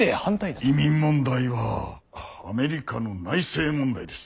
移民問題はアメリカの内政問題です。